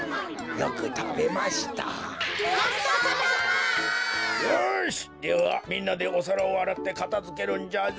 よしではみんなでおさらをあらってかたづけるんじゃぞ。